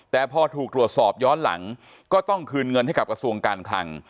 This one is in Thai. แต่พอถูกตรวจสอบย้อนหลังก็ต้องคืนเงินให้กับกระทรวงการคลัง